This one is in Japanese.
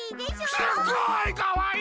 すごいかわいいね！